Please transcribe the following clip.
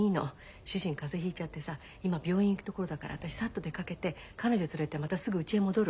主人風邪ひいちゃってさ今病院行くところだから私サッと出かけて彼女連れてまたすぐうちへ戻る。